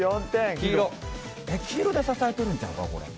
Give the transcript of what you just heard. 黄色で支えているんちゃうか。